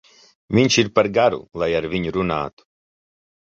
Viņš ir par garu, lai ar viņu runātu.